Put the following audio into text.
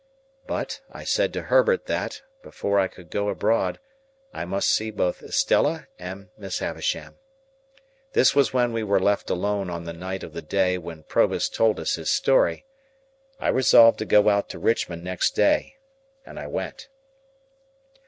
But, I said to Herbert that, before I could go abroad, I must see both Estella and Miss Havisham. This was when we were left alone on the night of the day when Provis told us his story. I resolved to go out to Richmond next day, and I went.